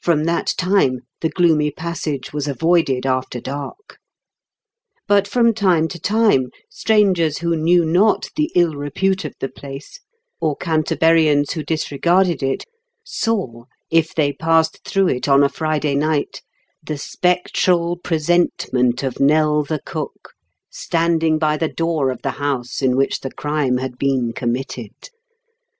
From that time the gloomy passage was avoided after dark ; but from time to time, strangers who knew not the ill repute of the place, or Canterburians who disregarded it, saw, if they passed through it on a Friday night, the spectral presentment of Nell the Cook standing by the door of the house in which the crime had been committed.